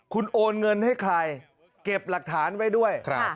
คุณโอนเงินให้ใครเก็บหลักฐานไว้ด้วย